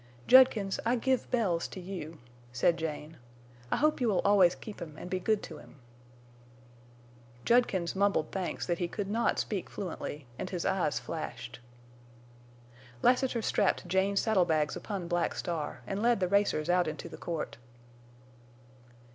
"Judkins, I give Bells to you," said Jane. "I hope you will always keep him and be good to him." Judkins mumbled thanks that he could not speak fluently, and his eyes flashed. Lassiter strapped Jane's saddle bags upon Black Star, and led the racers out into the court.